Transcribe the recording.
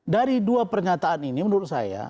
dari dua pernyataan ini menurut saya